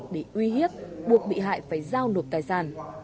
để uy hiếp buộc bị hại phải giao nộp tài sản